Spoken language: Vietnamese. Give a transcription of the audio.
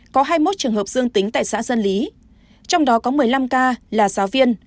có hai mươi một trường hợp dương tính tại xã dân lý trong đó có một mươi năm ca là giáo viên